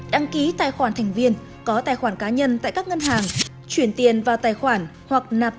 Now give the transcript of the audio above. đăng ký tài khoản thành viên có tài khoản cá nhân tại các ngân hàng chuyển tiền vào tài khoản hoặc nạp